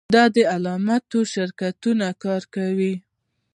د اعلاناتو شرکتونه کار کوي